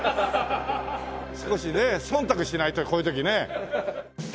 少しね忖度しないとこういう時ね。